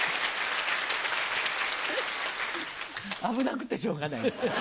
危なくてしょうがない。